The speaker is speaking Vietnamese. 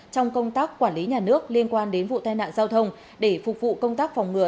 trong công tác quản lý nhà nước liên quan đến vụ tai nạn giao thông để phục vụ công tác phòng ngừa